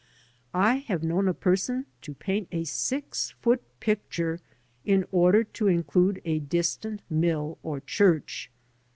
I have known a person to paint a six foot picture in order to include a distant mill or church.